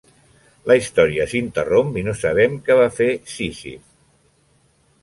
La història s'interromp i no sabem què va fer Sísif.